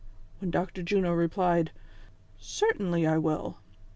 " When Dr. Juno replied, "Certainly I will."